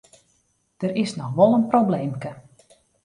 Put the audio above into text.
Der is noch wol in probleemke.